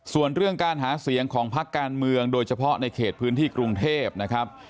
ส่วนเรื่องการหาเสียงของพักการเมืองโดยเฉพาะในเขตพื้นที่กรุงเทพนะครับ